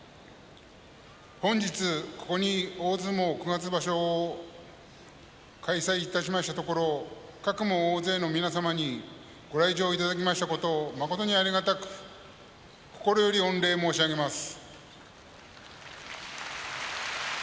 本日、ここに大相撲九月場所を開催いたしましたところかくも大勢の皆様にご来場いただきましたこと誠にありがたく心より御礼申し上げます。